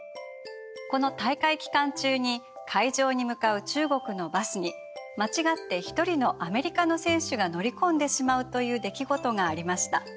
この大会期間中に会場に向かう中国のバスに間違って一人のアメリカの選手が乗り込んでしまうという出来事がありました。